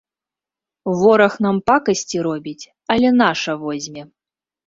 Вораг нам пакасці робіць, але наша возьме!